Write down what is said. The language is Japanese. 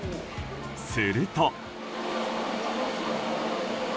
すると。